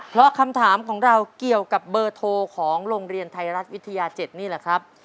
เพราะคำถามของเราเกี่ยวกับเบอร์โทรของโรงเรียนไทยรัฐวิทยา๗นี่แหละครับ